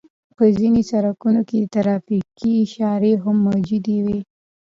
په ځينو سړکونو کې ترافيکي اشارې هم موجودې وي.